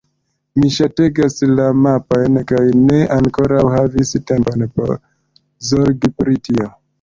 Mi ŝategas la mapojn kaj ne ankoraŭ havis tempon por zorgi pri tio.